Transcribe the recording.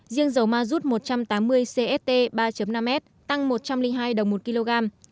riêng dầu ma rút một trăm tám mươi cst ba năm s tăng một trăm linh hai đồng một kg